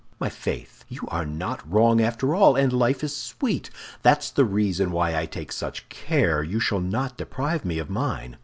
My faith! you are not wrong after all, and life is sweet. That's the reason why I take such care you shall not deprive me of mine.